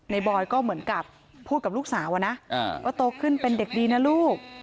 บอยก็เหมือนกับพูดกับลูกสาวอะนะว่าโตขึ้นเป็นเด็กดีนะลูก